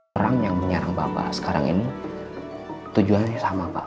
orang yang menyarankan sekarang ini tujuannya sama